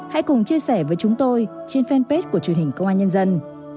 hãy cùng chia sẻ với chúng tôi trên fanpage của truyền hình công an nhân dân